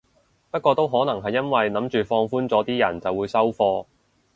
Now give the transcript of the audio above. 不過都可能係因為諗住放寬咗啲人就會收貨